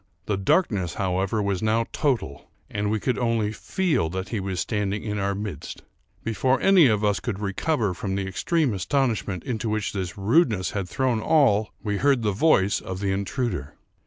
The darkness, however, was now total; and we could only feel that he was standing in our midst. Before any one of us could recover from the extreme astonishment into which this rudeness had thrown all, we heard the voice of the intruder.